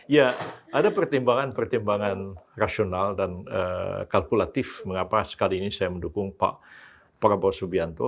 ya ada pertimbangan pertimbangan rasional dan kalkulatif mengapa sekali ini saya mendukung pak prabowo subianto